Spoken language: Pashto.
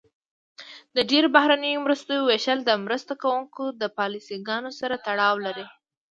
د ډیری بهرنیو مرستو ویشل د مرسته کوونکو د پالیسي ګانو سره تړاو لري.